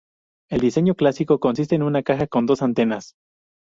El diseño clásico consiste en una caja con dos antenas.